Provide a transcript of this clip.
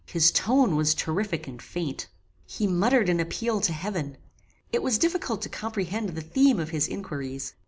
His tone was terrific and faint. He muttered an appeal to heaven. It was difficult to comprehend the theme of his inquiries.